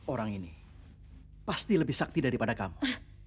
orang ini pasti lebih sakti daripada kamu